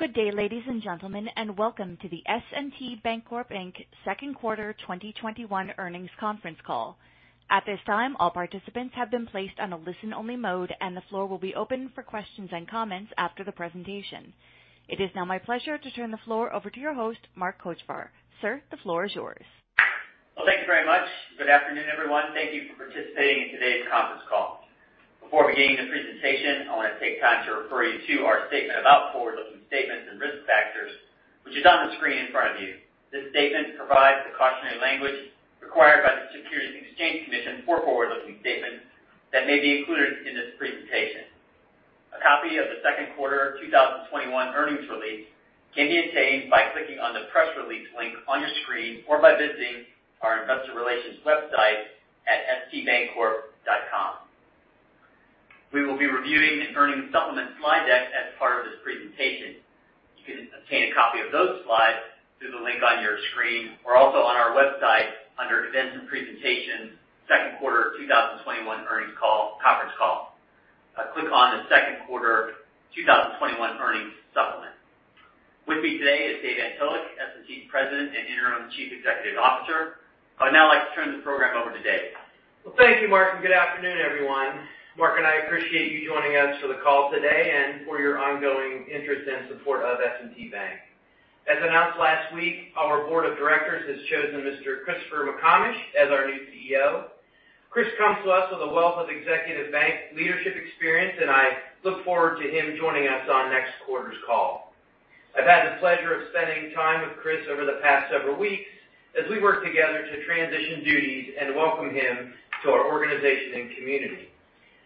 Good day, ladies and gentlemen, and welcome to the S&T Bancorp Inc. second quarter 2021 earnings conference call. At this time, all participants have been placed on a listen-only mode, and the floor will be open for questions and comments after the presentation. It is now my pleasure to turn the floor over to your host, Mark Kochvar. Sir, the floor is yours. Well, thank you very much. Good afternoon, everyone. Thank you for participating in today's conference call. Before beginning the presentation, I want to take time to refer you to our statement about forward-looking statements and risk factors, which is on the screen in front of you. This statement provides the cautionary language required by the Securities and Exchange Commission for forward-looking statements that may be included in this presentation. A copy of the second quarter 2021 earnings release can be obtained by clicking on the press release link on your screen or by visiting our investor relations website at stbancorp.com. We will be reviewing an earnings supplement slide deck as part of this presentation. You can obtain a copy of those slides through the link on your screen or also on our website under Events and Presentations second quarter 2021 earnings call conference call. Click on the second quarter 2021 earnings supplement. With me today is David Antolik, S&T President and Interim Chief Executive Officer. I'd now like to turn the program over to Dave. Thank you, Mark, and good afternoon, everyone. Mark and I appreciate you joining us for the call today and for your ongoing interest and support of S&T Bank. As announced last week, our board of directors has chosen Mr. Christopher McComish as our new CEO. Chris comes to us with a wealth of executive bank leadership experience, and I look forward to him joining us on next quarter's call. I've had the pleasure of spending time with Chris over the past several weeks as we work together to transition duties and welcome him to our organization and community.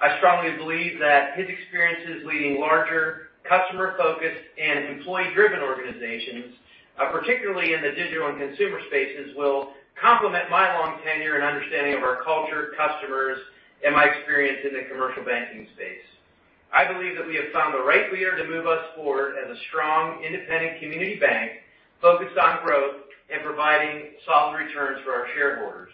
I strongly believe that his experiences leading larger customer-focused and employee-driven organizations, particularly in the digital and consumer spaces, will complement my long tenure and understanding of our culture, customers, and my experience in the commercial banking space. I believe that we have found the right leader to move us forward as a strong, independent community bank focused on growth and providing solid returns for our shareholders.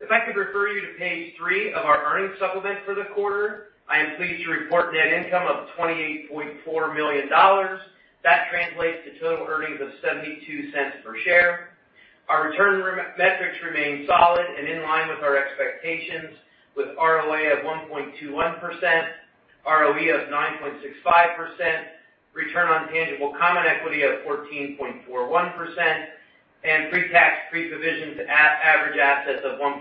If I could refer you to page three of our earnings supplement for the quarter, I am pleased to report net income of $28.4 million. That translates to total earnings of $0.72 per share. Our return metrics remain solid and in line with our expectations, with ROA at 1.21%, ROE of 9.65%, return on tangible common equity of 14.41%, and pre-tax, pre-provision to average assets of 1.61%.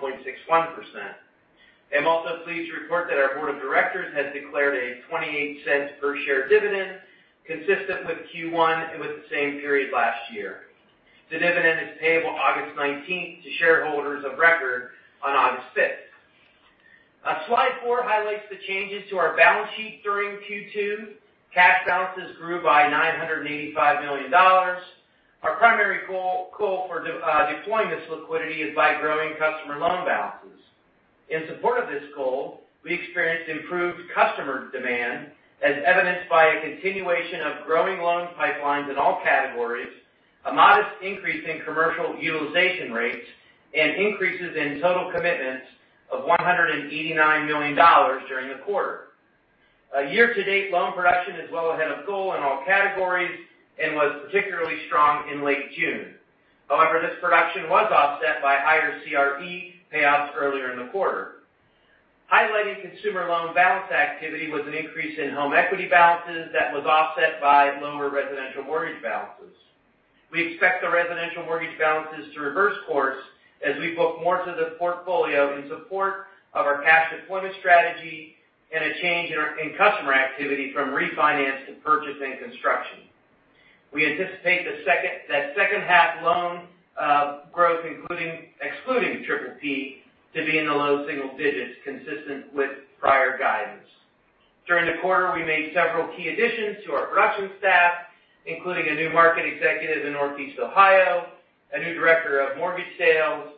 I'm also pleased to report that our board of directors has declared a $0.28 per share dividend consistent with Q1 and with the same period last year. The dividend is payable August 19th to shareholders of record on August 5th. Slide four highlights the changes to our balance sheet during Q2. Cash balances grew by $985 million. Our primary goal for deploying this liquidity is by growing customer loan balances. In support of this goal, we experienced improved customer demand as evidenced by a continuation of growing loan pipelines in all categories, a modest increase in commercial utilization rates, and increases in total commitments of $189 million during the quarter. Year-to-date loan production is well ahead of goal in all categories and was particularly strong in late June. However, this production was offset by higher CRE payouts earlier in the quarter. Highlighting consumer loan balance activity was an increase in home equity balances that was offset by lower residential mortgage balances. We expect the residential mortgage balances to reverse course as we book more to the portfolio in support of our cash deployment strategy and a change in customer activity from refinance to purchase and construction. We anticipate that second half loan growth excluding PPP to be in the low single digits consistent with prior guidance. During the quarter, we made several key additions to our production staff, including a new market executive in Northeast Ohio, a new director of mortgage sales,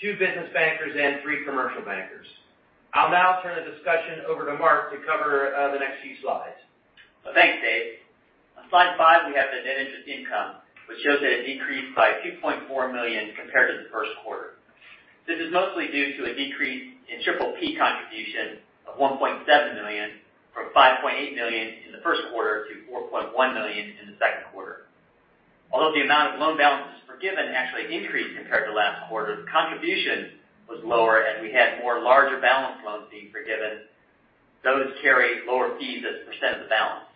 two business bankers, and three commercial bankers. I'll now turn the discussion over to Mark to cover the next few slides. Thanks, Dave. On slide five, we have the net interest income, which shows a decrease by $2.4 million compared to the first quarter. This is mostly due to a decrease in PPP contribution of $1.7 million from $5.8 million in the first quarter to $4.1 million in the second quarter. Although the amount of loan balances forgiven actually increased compared to last quarter, the contribution was lower, and we had more larger balance loans being forgiven. Those carry lower fees as a percent of the balance.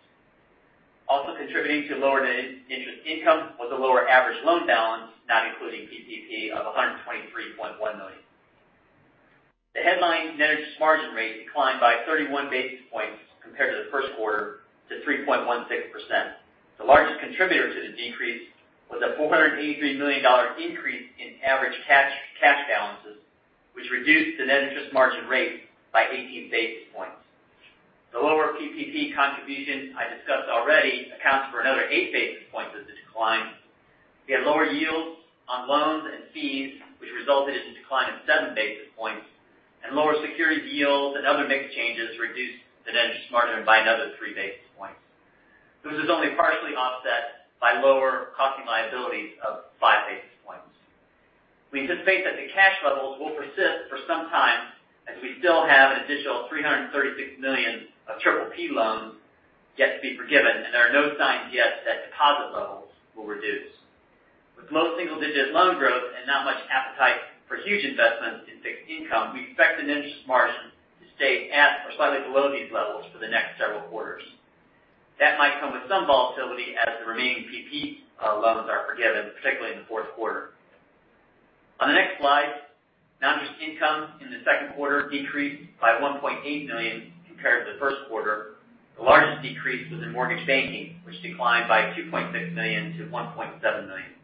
Also contributing to lower net interest income was a lower average loan balance, not including PPP, of $123.1 million. The headline net interest margin rate declined by 31 basis points compared to the first quarter to 3.16%. The largest contributor to the decrease was a $483 million increase in average cash balances, which reduced the net interest margin rate by 18 basis points. The lower PPP contribution I discussed already accounts for another eight basis points of the decline. We had lower yields on loans and fees, which resulted in a decline of seven basis points, and lower securities yields and other mix changes reduced the net interest margin by another three basis points. This was only partially offset by lower costing liabilities of five basis points. We anticipate that the cash levels will persist for some time as we still have an additional $336 million of PPP loans yet to be forgiven, and there are no signs yet that deposit levels will reduce. With low single-digit loan growth and not much appetite for huge investments in fixed income, we expect an interest margin to stay at or slightly below these levels for the next several quarters. That might come with some volatility as the remaining PPP loans are forgiven, particularly in the fourth quarter. On the next slide, non-interest income in the second quarter decreased by $1.8 million compared to the first quarter. The largest decrease was in mortgage banking, which declined by $2.6 million to $1.7 million.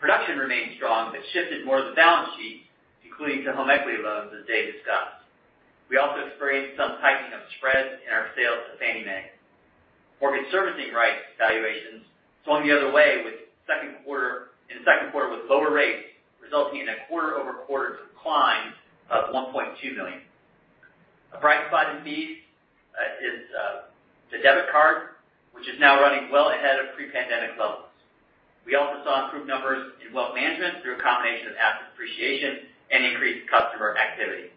Production remained strong but shifted more to the balance sheet, including to home equity loans as Dave discussed. We also experienced some tightening of spreads in our sales to Fannie Mae. Mortgage servicing rights valuations swung the other way in the second quarter with lower rates, resulting in a quarter-over-quarter decline of $1.2 million. A bright spot indeed is the debit card, which is now running well ahead of pre-pandemic levels. We also saw improved numbers in wealth management through a combination of asset appreciation and increased customer activity.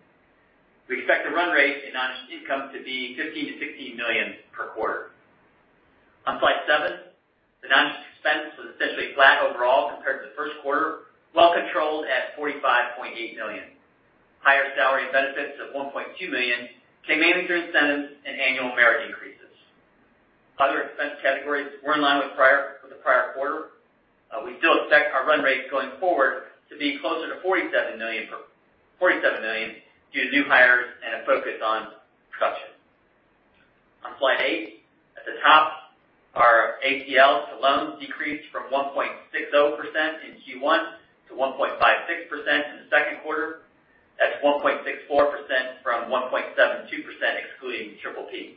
We expect the run rate in non-interest income to be $15 million-$16 million per quarter. On slide seven, the non-interest expense was essentially flat overall compared to the first quarter, well controlled at $45.8 million. Higher salary benefits of $1.2 million came mainly through incentives and annual merit increases. Other expense categories were in line with the prior quarter. We still expect our run rate going forward to be closer to $47 million due to new hires and a focus on production. On slide eight, at the top, our ACL to loans decreased from 1.60% in Q1 to 1.56% in the second quarter. That's 1.64% from 1.72%, excluding PPP.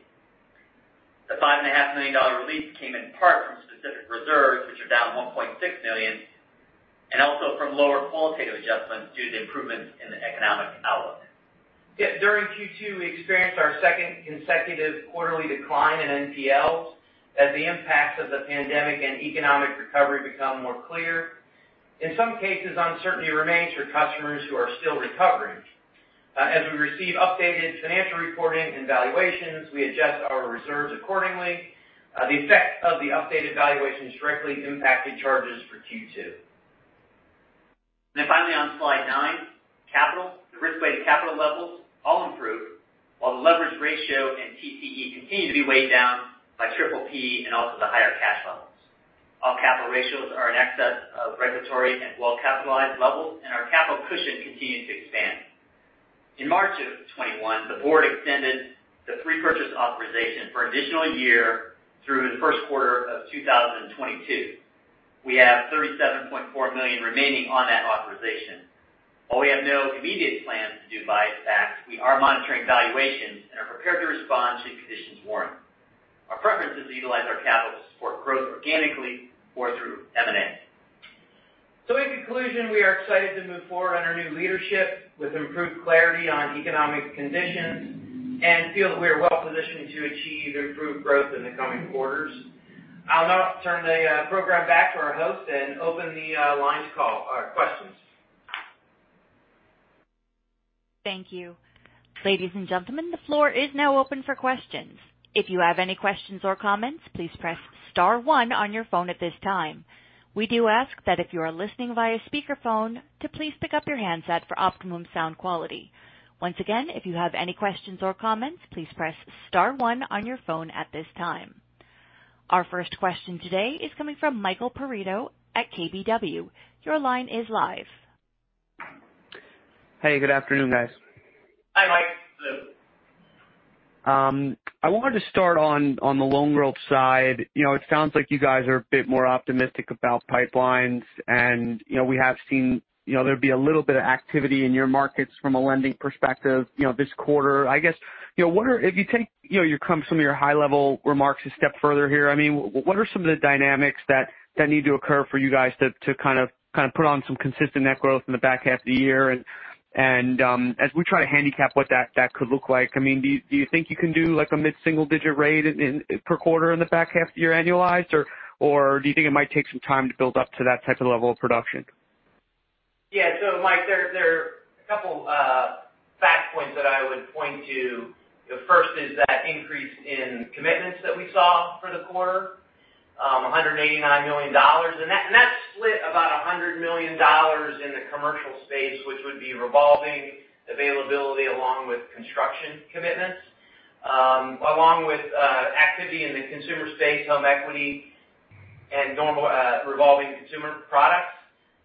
The $5.5 million release came in part from specific reserves, which are down $1.6 million, and also from lower qualitative adjustments due to the improvements in the economic outlook. Yeah. During Q2, we experienced our second consecutive quarterly decline in NPLs as the impacts of the pandemic and economic recovery become more clear. In some cases, uncertainty remains for customers who are still recovering. As we receive updated financial reporting and valuations, we adjust our reserves accordingly. The effect of the updated valuations directly impacted charges for Q2. Finally on slide nine, capital. The risk-weighted capital levels all improved, while the leverage ratio and TCE continue to be weighed down by PPP and also the higher cash levels. All capital ratios are in excess of regulatory and well-capitalized levels, and our capital cushion continued to expand. In March of 2021, the board extended the repurchase authorization for an additional year through the first quarter of 2022. We have $37.4 million remaining on that authorization. While we have no immediate plans to do buybacks, we are monitoring valuations and are prepared to respond should conditions warrant. Our preference is to utilize our capital to support growth organically or through M&A. In conclusion, we are excited to move forward under new leadership with improved clarity on economic conditions and feel that we are well positioned to achieve improved growth in the coming quarters. I'll now turn the program back to our host and open the line to questions. Thank you. Ladies and gentlemen, the floor is now open for questions. If you have any questions or comments, please press star one on your phone at this time. We do ask that if you are listening via speakerphone, to please pick up your handset for optimum sound quality. Once again, if you have any questions or comments, please press star one on your phone at this time. Our first question today is coming from Michael Perito at KBW. Your line is live. Hey, good afternoon, guys. Hi, Mike. I wanted to start on the loan growth side. It sounds like you guys are a bit more optimistic about pipelines and we have seen there'd be a little bit of activity in your markets from a lending perspective this quarter. I guess, if you take some of your high-level remarks a step further here, what are some of the dynamics that need to occur for you guys to put on some consistent net growth in the back half of the year? As we try to handicap what that could look like, do you think you can do a mid-single-digit rate per quarter in the back half of the year annualized, or do you think it might take some time to build up to that type of level of production? Yeah. Mike, there are a couple of fact points that I would point to. The first is that increase in commitments that we saw for the quarter, $189 million. That split about $100 million in the commercial space, which would be revolving availability along with construction commitments, along with activity in the consumer space, home equity, and normal revolving consumer products.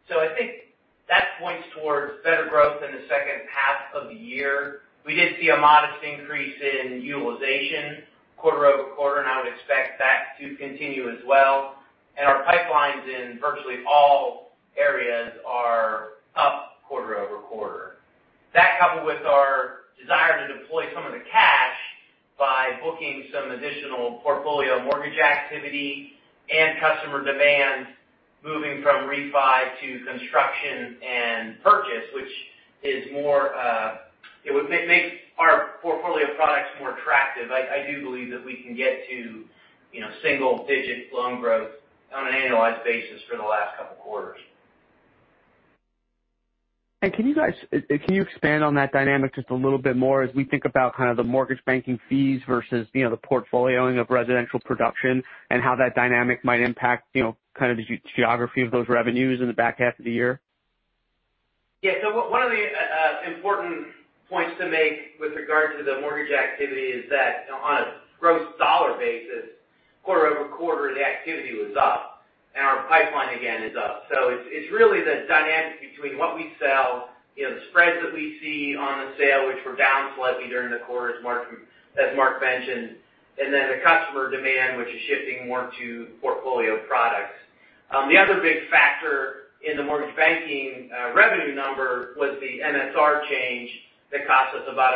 I think that points towards better growth in the second half of the year. We did see a modest increase in utilization quarter-over-quarter, and I would expect that to continue as well. Our pipelines in virtually all areas are up quarter-over-quarter. That coupled with our desire to deploy some of the cash by booking some additional portfolio mortgage activity and customer demand moving from refi to construction and purchase, which is more. It would make our portfolio of products more attractive. I do believe that we can get to single-digit loan growth on an annualized basis for the last couple of quarters. Can you expand on that dynamic just a little bit more as we think about the mortgage banking fees versus the portfolioing of residential production and how that dynamic might impact the geography of those revenues in the back half of the year? Yeah. One of the important points to make with regard to the mortgage activity is that on a gross dollar basis, quarter-over-quarter, the activity was up and our pipeline again is up. It's really the dynamic between what we sell, the spreads that we see on the sale, which were down slightly during the quarter as Mark mentioned, and then the customer demand, which is shifting more to portfolio products. The other big factor in the mortgage banking revenue number was the MSR change that cost us about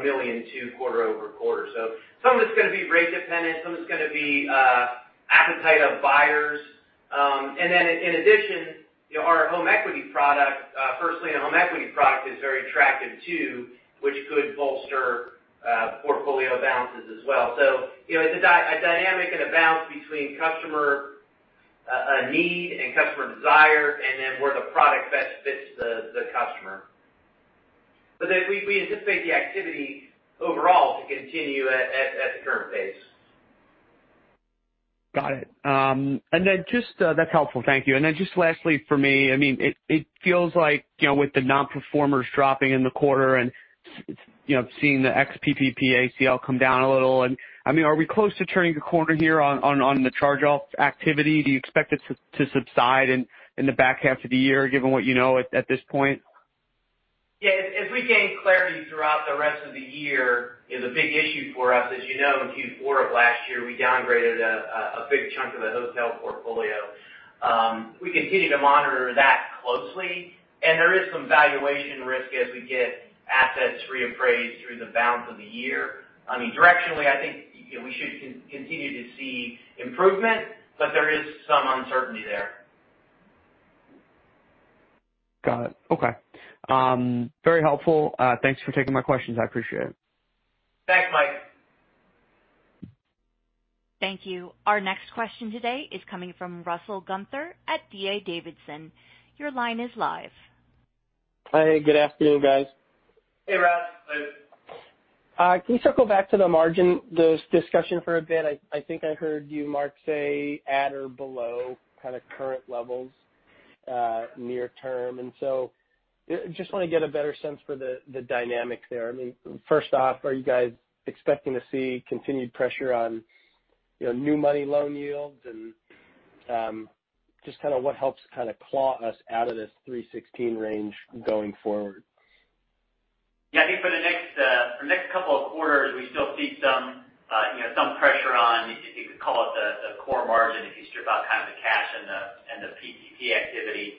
$1.2 million quarter-over-quarter. Some of it's going to be rate dependent, some of it's going to be appetite of buyers. In addition, firstly, our home equity product is very attractive too, which could bolster portfolio balances as well. It's a dynamic and a balance between customer need and customer desire and then where the product best fits the customer. We anticipate the activity overall to continue at the current pace. Got it. That's helpful. Thank you. Just lastly for me, it feels like with the non-performers dropping in the quarter and seeing the ex-PPP ACL come down a little, are we close to turning the corner here on the charge-off activity? Do you expect it to subside in the back half of the year, given what you know at this point? Yeah. As we gain clarity throughout the rest of the year, the big issue for us as you know, in Q4 of last year, we downgraded a big chunk of the hotel portfolio. We continue to monitor that closely, and there is some valuation risk as we get assets reappraised through the balance of the year. Directionally, I think we should continue to see improvement, but there is some uncertainty there. Got it. Okay. Very helpful. Thanks for taking my questions. I appreciate it. Thanks, Mike. Thank you. Our next question today is coming from Russell Gunther at D.A. Davidson. Your line is live. Hey, good afternoon, guys. Hey, Russell. Can you circle back to the margin discussion for a bit? I think I heard you, Mark, say at or below current levels near term. Just want to get a better sense for the dynamic there. First off, are you guys expecting to see continued pressure on new money loan yields? Just what helps claw us out of this 316 range going forward? Yeah, I think for the next couple of quarters, we still see some pressure on, you could call it the core margin if you strip out the cash and the PPP activity.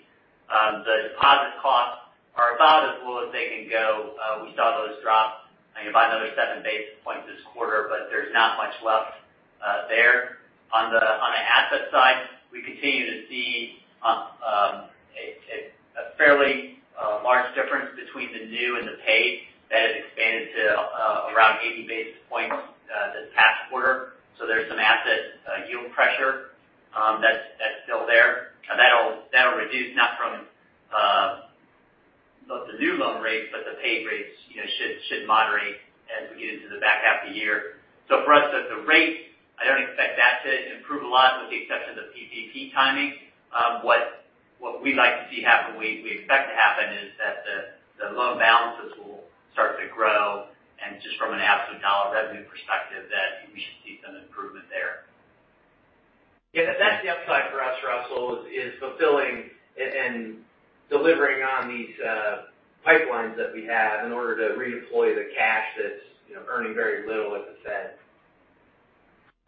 The deposit costs are about as low as they can go. We saw those drop by another seven basis points this quarter, but there's not much left there. On the asset side, we continue to see a fairly large difference between the new and the paid that has expanded to around 80 basis points this past quarter. There's some asset yield pressure that's still there. That'll reduce not from both the new loan rates, but the paid rates should moderate as we get into the back half of the year. For us, the rates, I don't expect that to improve a lot with the exception of PPP timing. What we like to see happen, we expect to happen is that the loan balances will start to grow and just from an absolute dollar revenue perspective, that we should see some improvement there. Yeah. That's the upside for us, Russell, is fulfilling and delivering on these pipelines that we have in order to redeploy the cash that's earning very little at the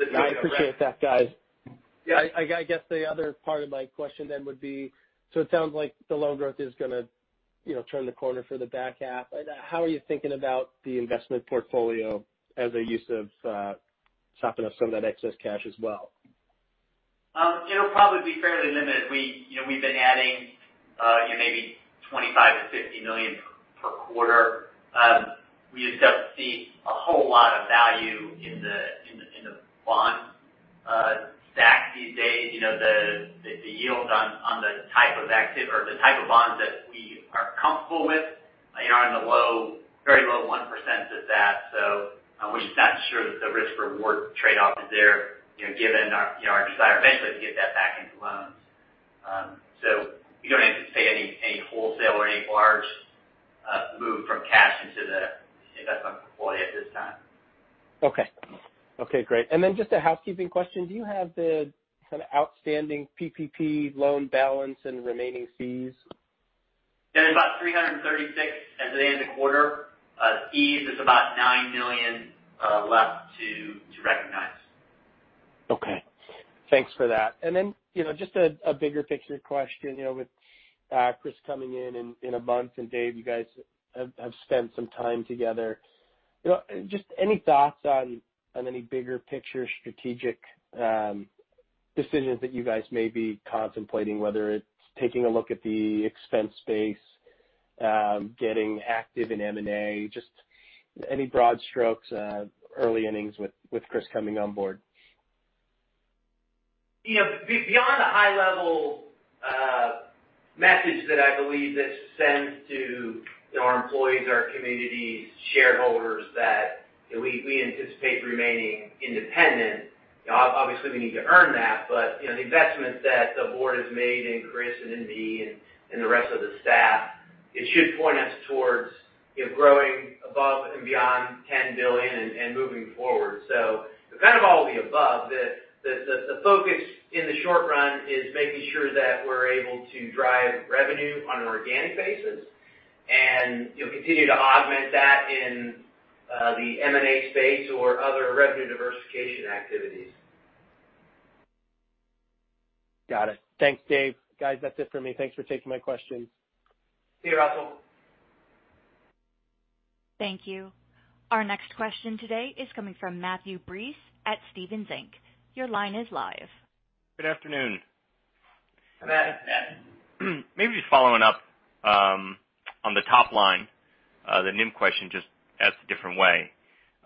Fed. I appreciate that, guys. Yeah. I guess the other part of my question would be, it sounds like the loan growth is going to turn the corner for the back half. How are you thinking about the investment portfolio as a use of sopping up some of that excess cash as well? It'll probably be fairly limited. We've been adding maybe $25 million-$50 million per quarter. We just don't see a whole lot of value in the bond stack these days. The yields on the type of bonds that we are comfortable with are in the very low 1% at that. We're just not sure that the risk-reward trade-off is there, given our desire eventually to get that back into loans. We don't anticipate any wholesale or any large move from cash into the investment portfolio at this time. Okay. Great. Just a housekeeping question. Do you have the outstanding PPP loan balance and remaining fees? It was about $336 million as of the end of the quarter. Fees is about $9 million left to recognize. Okay. Thanks for that. Just a bigger picture question. With Chris coming in in a month and Dave, you guys have spent some time together. Just any thoughts on any bigger picture strategic decisions that you guys may be contemplating, whether it's taking a look at the expense base, getting active in M&A, just any broad strokes, early innings with Chris coming on board. Beyond the high level message that I believe this sends to our employees, our communities, shareholders, that we anticipate remaining independent. Obviously, we need to earn that. The investment that the board has made in Chris and in me and the rest of the staff, it should point us towards growing above and beyond $10 billion and moving forward. Kind of all the above. The focus in the short run is making sure that we're able to drive revenue on an organic basis and continue to augment that in the M&A space or other revenue diversification activities. Got it. Thanks, Dave. Guys, that's it for me. Thanks for taking my questions. See you, Russell. Thank you. Our next question today is coming from Matthew Breese at Stephens Inc. Your line is live. Good afternoon. Hi, Matt. Maybe just following up on the top line, the NIM question, just asked a different way.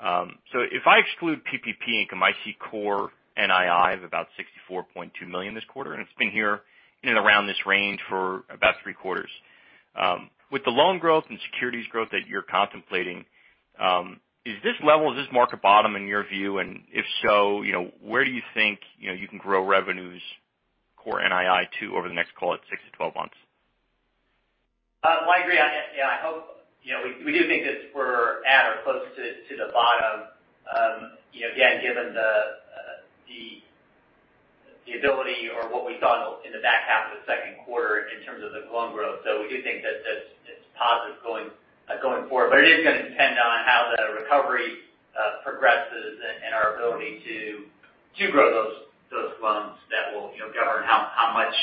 If I exclude PPP income, I see core NII of about $64.2 million this quarter, and it's been here in and around this range for about three quarters. With the loan growth and securities growth that you're contemplating, is this level, is this market bottom in your view? If so, where do you think you can grow revenues core NII to over the next, call it 6-12 months? Well, I agree. We do think that we're at or close to the bottom. Again, given the ability or what we saw in the back half of the second quarter in terms of the loan growth, we do think that it's positive going forward. It is going to depend on how the recovery progresses and our ability to grow those loans that will govern how much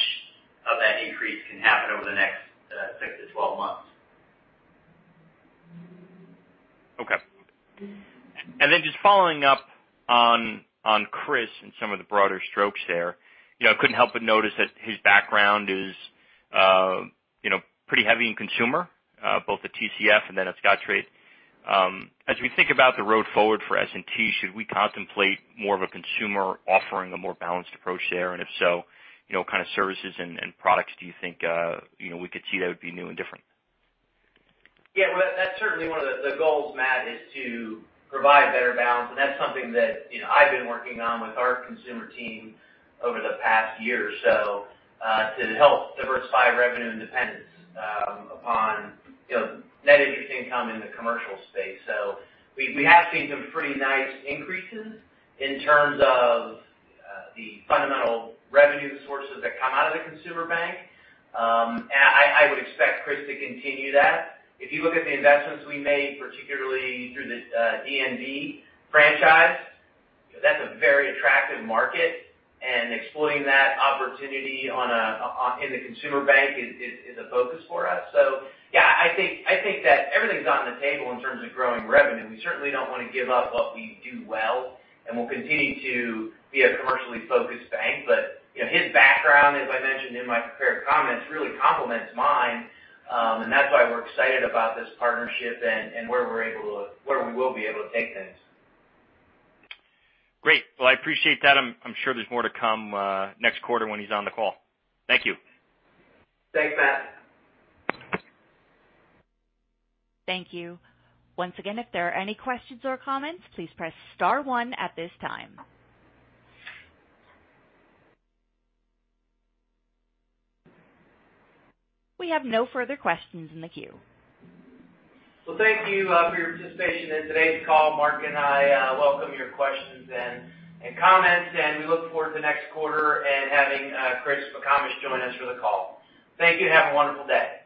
of that increase can happen over the next 6-12 months. Okay. Then just following up on Chris and some of the broader strokes there. I couldn't help but notice that his background is pretty heavy in consumer, both at TCF and then at Scottrade. As we think about the road forward for S&T, should we contemplate more of a consumer offering, a more balanced approach there? If so, what kind of services and products do you think we could see that would be new and different? Yeah. Well, that's certainly one of the goals, Matt, is to provide better balance. That's something that I've been working on with our consumer team over the past year or so, to help diversify revenue independence upon net interest income in the commercial space. We have seen some pretty nice increases in terms of the fundamental revenue sources that come out of the consumer bank. I would expect Chris to continue that. If you look at the investments we made, particularly through the DNB franchise, that's a very attractive market and exploiting that opportunity in the consumer bank is a focus for us. Yeah, I think that everything's on the table in terms of growing revenue. We certainly don't want to give up what we do well, and we'll continue to be a commercially focused bank. His background, as I mentioned in my prepared comments, really complements mine. That's why we're excited about this partnership and where we will be able to take things. Great. Well, I appreciate that. I'm sure there's more to come next quarter when he's on the call. Thank you. Thanks, Matt. Thank you. Once again, if there are any questions or comments, please press star one at this time. We have no further questions in the queue. Well, thank you for your participation in today's call. Mark and I welcome your questions and comments, and we look forward to next quarter and having Chris McComish join us for the call. Thank you, and have a wonderful day.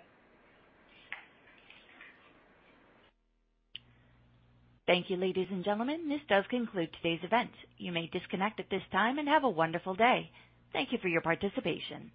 Thank you, ladies and gentlemen. This does conclude today's event. You may disconnect at this time, and have a wonderful day. Thank you for your participation.